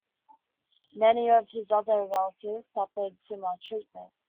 Many of his other relatives suffered similar treatment.